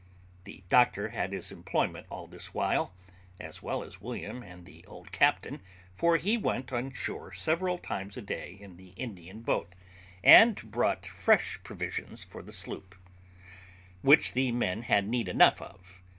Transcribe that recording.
The doctor had his employment all this while, as well as William and the old captain, for he went on shore several times a day in the Indian boat, and brought fresh provisions for the sloop, which the men had need enough of.